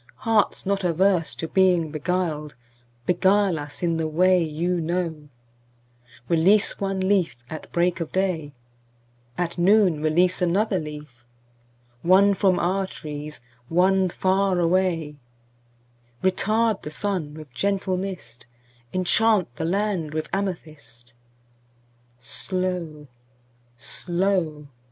Hearts not averse to being beguiled, Beguile us in the way you know; Release one leaf at break of day; At noon release another leaf; One from our trees, one far away; Retard the sun with gentle mist; Enchant the land with amethyst. Slow, slow!